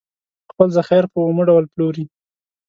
خپل ذخایر په اومه ډول پلوري.